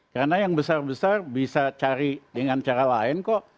karena yang besar besar bisa cari dengan cara lain kok